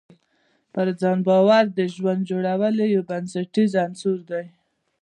پر ځان باور د ژوند جوړونې یو بنسټیز عنصر دی.